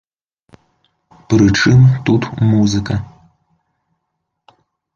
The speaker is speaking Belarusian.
Пры чым тут музыка?